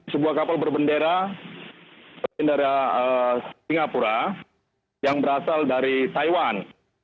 sebuah kapal berbendera singapura yang berasal dari taiwan